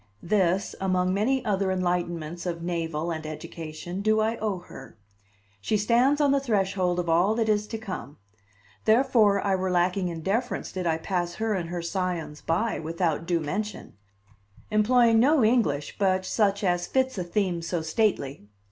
This, among many other enlightenments of navel and education, do I owe her; she stands on the threshold of all that is to come; therefore I were lacking in deference did I pass her and her Scions by without due mention, employing no English but such as fits a theme so stately.